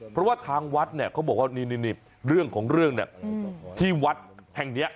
เพราะว่าทางวัดเขาบอกว่าเรื่องของเรื่องที่วัดแห่งนี้